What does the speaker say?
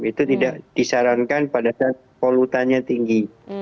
itu tidak disarankan pada saat polutannya tinggi